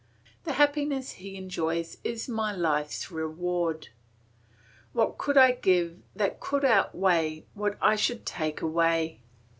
The happiness he enjoys is my life's reward. What could I give that could outweigh what I should take away?